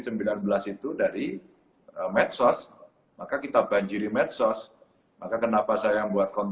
tapi naik ke meglio bacong nueva velvet iya boleh langsunggil vincent